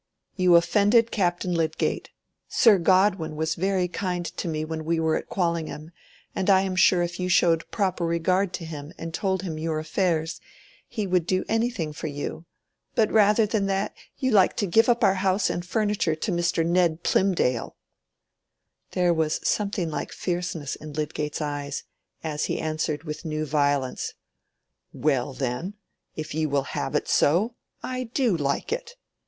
You offended Captain Lydgate. Sir Godwin was very kind to me when we were at Quallingham, and I am sure if you showed proper regard to him and told him your affairs, he would do anything for you. But rather than that, you like giving up our house and furniture to Mr. Ned Plymdale." There was something like fierceness in Lydgate's eyes, as he answered with new violence, "Well, then, if you will have it so, I do like it.